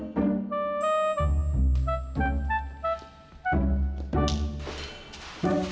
kami dari kantor cleaning service pak